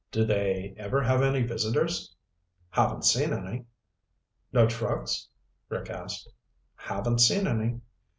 "Do they ever have any visitors?" "Haven't seen any." "No trucks?" Rick asked. "Haven't seen any."